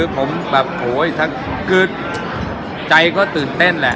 จะหัวของผมตื่นเต้นแล้ว